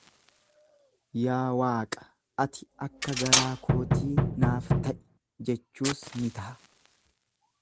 Yaa Waaqa ati akka garaa kootii naaf ta'i jechuus ni taha.